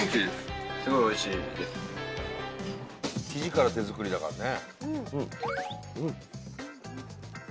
生地から手作りだからね。